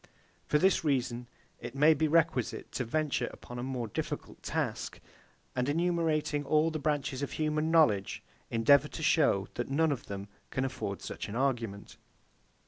For this reason it may be requisite to venture upon a more difficult task; and enumerating all the branches of human knowledge, endeavour to show that none of them can afford such an argument.